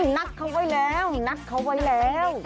นัดเขาไว้แล้วนัดเขาไว้แล้ว